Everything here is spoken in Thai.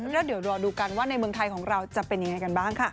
แล้วเดี๋ยวรอดูกันว่าในเมืองไทยของเราจะเป็นยังไงกันบ้างค่ะ